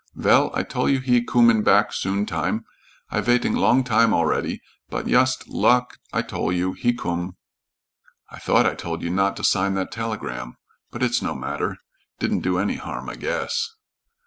"Vell, I tol' you he coomin' back sometime. I vaiting long time all ready, but yust lak I tol' you, he coom." "I thought I told you not to sign that telegram. But it's no matter, didn't do any harm, I guess."